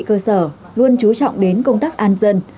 cơ sở luôn trú trọng đến công tác an dân